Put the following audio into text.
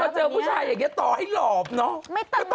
เจอผู้ชายอย่างนี้ต่อให้หลอบเนอะ